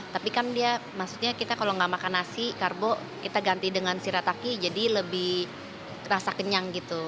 tapi kan dia maksudnya kita kalau nggak makan nasi karbo kita ganti dengan sirataki jadi lebih rasa kenyang gitu